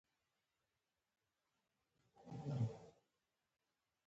تاسو په یوه پرمختللې دوره کې ژوند کوئ